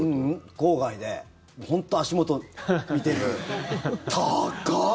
郊外で本当に足元見てる高っ！